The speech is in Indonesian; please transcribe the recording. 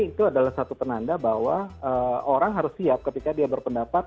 itu adalah satu penanda bahwa orang harus siap ketika dia berpendapat